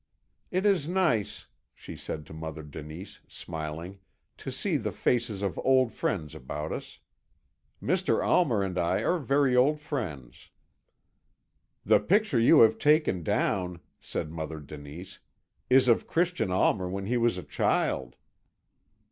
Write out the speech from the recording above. "It is nice," she said to Mother Denise, smiling, "to see the faces of old friends about us. Mr. Almer and I are very old friends." "The picture you have taken down," said Mother Denise, "is of Christian Almer when he was a child."